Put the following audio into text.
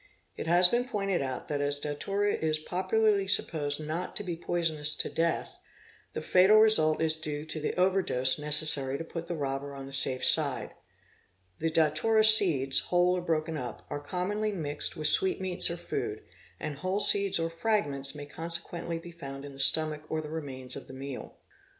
It has been pointed out that as datura is popularly supposed not to be poisonous . to death, the fatal result is due to the over dose necessary to put the robber on the safe side. The datura seeds—whole or broken up—are . commonly mixed with sweetmeats or food, and whole seeds or fragments may consequently be found in the stomach or the remains of the meal.